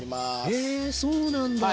へえそうなんだ！